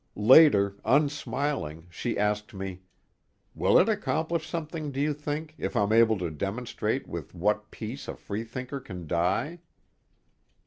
Later, unsmiling, she asked me: "Will it accomplish something, do you think, if I'm able to demonstrate with what peace a freethinker can die?"